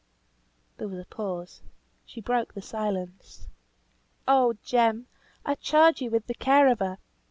There was a pause. She broke the silence. "Oh! Jem, I charge you with the care of her!